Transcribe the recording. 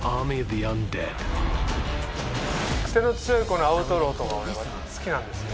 クセの強いアウトローとか俺は好きなんですよ。